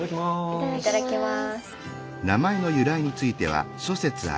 いただきます。